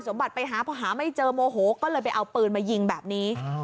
ไปหาพอหาไม่เจอโมโหก็เลยไปเอาปืนมายิงแบบนี้